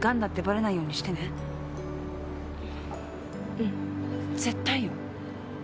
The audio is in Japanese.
うん。絶対よ。